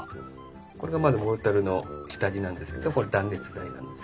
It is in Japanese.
これがまずモルタルの下地なんですけどこれ断熱材なんですけど。